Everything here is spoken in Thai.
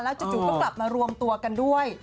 แล้วจริงก็กลับมารวมตัวกันด้วย